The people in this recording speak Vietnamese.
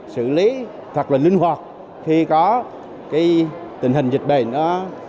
xử lý thật là linh hoạt khi có tình hình dịch bệnh đó